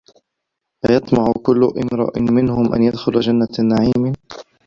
أَيَطمَعُ كُلُّ امرِئٍ مِنهُم أَن يُدخَلَ جَنَّةَ نَعيمٍ